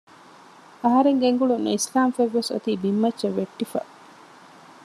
އަހަރެން ގެންގުޅުނު އިސްލާމް ފޮތްވެސް އޮތީ ބިންމައްޗަށް ވެއްތިފަ